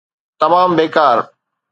تمام بيڪار.